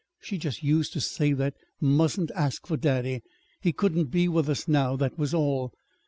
She just used to say that I mustn't ask for daddy. He couldn't be with us now. That was all.